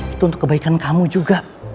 itu untuk kebaikan kamu juga